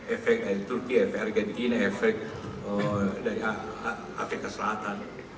efek dari turki efek argentina efek dari afrika selatan